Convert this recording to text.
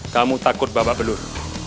kamu takut babak belur